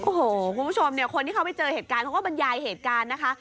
โอ้โหคุณผู้ชมเนี่ยคนที่เขาไปเจอเหตุการณ์เขาก็บรรยายเหตุการณ์นะคะ